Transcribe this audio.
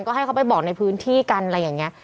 ก็ให้เขาไปบอกในพื้นที่กันอะไรอย่างนี้